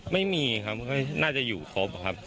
ไม่มีครับน่าจะอยู่ครบครับ